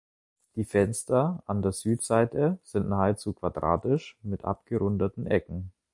Die Fenster an der Südseite sind nahezu quadratisch mit abgerundeten Ecken.